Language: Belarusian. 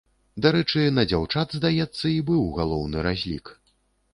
Дарэчы, на дзяўчат, здаецца, і быў галоўны разлік.